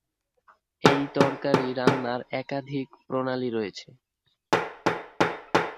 এই তরকারী রান্নার একাধিক প্রণালী রয়েছে।